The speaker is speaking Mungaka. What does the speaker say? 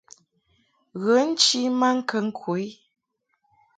Ghə nchi maŋkəŋ ku i.